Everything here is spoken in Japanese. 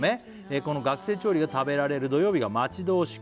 「この学生調理が食べられる土曜日が待ち遠しく」